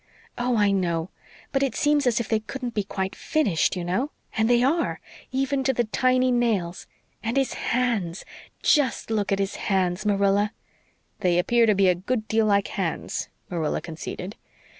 "Oh, I know but it seems as if they couldn't be quite FINISHED, you know and they are, even to the tiny nails. And his hands JUST look at his hands, Marilla." "They appear to be a good deal like hands," Marilla conceded.